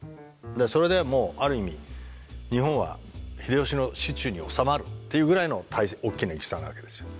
それでもうある意味日本は秀吉の手中に収まるっていうぐらいの大きな戦なわけですよ。